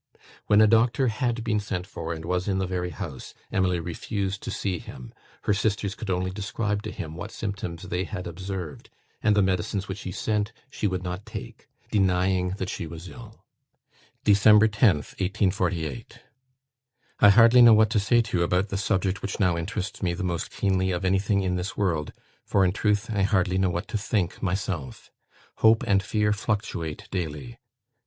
When a doctor had been sent for, and was in the very house, Emily refused to see him. Her sisters could only describe to him what symptoms they had observed; and the medicines which he sent she would not take, denying that she was ill. "Dec. 10th, 1848. "I hardly know what to say to you about the subject which now interests me the most keenly of anything in this world, for, in truth, I hardly know what to think myself. Hope and fear fluctuate daily.